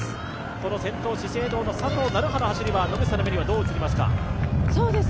この先頭、資生堂の佐藤成葉の走りは野口さんの目にはどう見えますか？